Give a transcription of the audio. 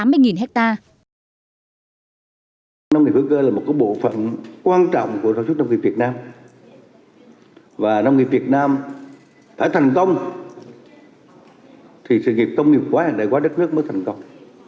nông nghiệp việt nam đã thành công thì sự nghiệp công nghiệp quá hiện đại quá đất nước mới thành công